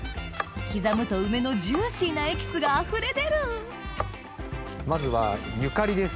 刻むと梅のジューシーなエキスがあふれ出るまずはゆかりです。